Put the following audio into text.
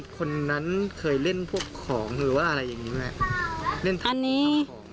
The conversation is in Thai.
คนนั้นเคยเล่นพวกของหรือว่าอะไรอย่างงี้ไหมอันนี้